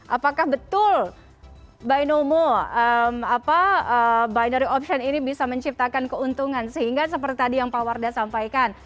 apakah betul by nomo binary option ini bisa menciptakan keuntungan sehingga seperti tadi yang pak warda sampaikan